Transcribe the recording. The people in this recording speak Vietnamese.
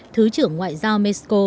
thứ trưởng ngoại giao mexico